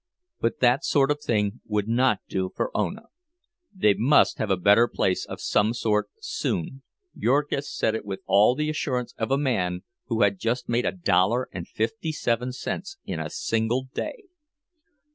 But that sort of thing would not do for Ona. They must have a better place of some sort soon—Jurgis said it with all the assurance of a man who had just made a dollar and fifty seven cents in a single day.